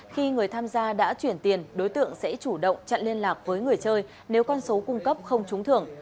khi người tham gia đã chuyển tiền đối tượng sẽ chủ động chặn liên lạc với người chơi nếu con số cung cấp không trúng thưởng